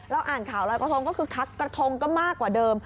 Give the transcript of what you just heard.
อ่านข่าวลอยกระทงก็คือคักกระทงก็มากกว่าเดิม